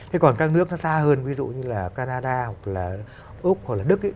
thế còn các nước nó xa hơn ví dụ như là canada hoặc là úc hoặc là đức